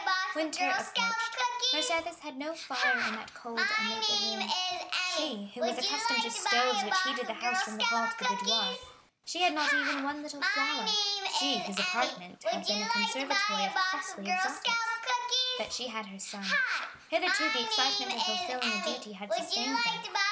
Winter approached. Mercédès had no fire in that cold and naked room—she, who was accustomed to stoves which heated the house from the hall to the boudoir; she had not even one little flower—she whose apartment had been a conservatory of costly exotics. But she had her son. Hitherto the excitement of fulfilling a duty had sustained them.